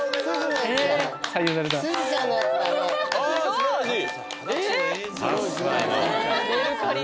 すばらしい！